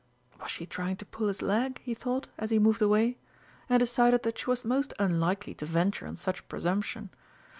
Was she trying to pull his leg? he thought, as he moved away, and decided that she was most unlikely to venture on such presumption.